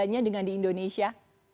bagaimana dengan di indonesia